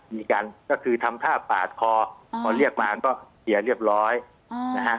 มีการก็คือทำท่าปาดคอพอเรียกมาก็เสียเรียบร้อยนะฮะ